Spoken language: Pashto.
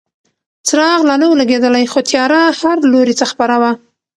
څراغ لا نه و لګېدلی خو تیاره هر لوري ته خپره وه.